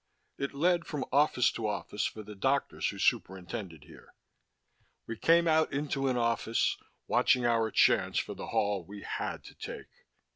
It led from office to office for the doctors who superintended here. We came out into an office, watching our chance for the hall we had to take.